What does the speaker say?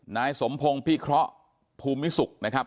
นายสมพงศ์พิเคราะห์ภูมิสุขนะครับ